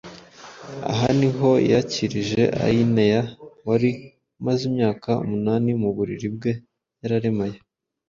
Aha niho yakirije Ayineya wari umaze imyaka munani mu buriri bwe yararemaye.